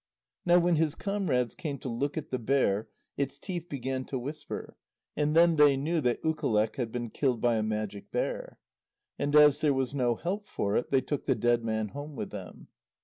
Now when his comrades came to look at the bear, its teeth began to whisper, and then they knew that Ukaleq had been killed by a Magic Bear. And as there was no help for it, they took the dead man home with them.